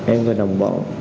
em và đồng bộ